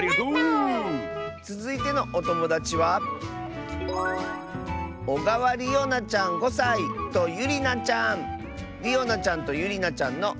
つづいてのおともだちはりおなちゃんとゆりなちゃんの。